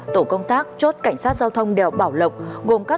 tổ công tác chốt cảnh sát giao thông đèo bảo lộc